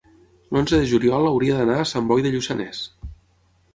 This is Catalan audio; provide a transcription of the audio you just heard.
l'onze de juliol hauria d'anar a Sant Boi de Lluçanès.